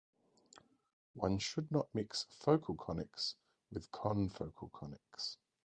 One should not mix focal conics with confocal conics.